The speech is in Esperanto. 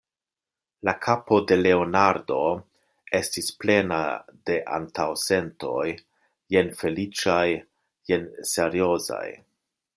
La kapo de Leonardo estis plena de antaŭsentoj, jen feliĉaj, jen seriozaj.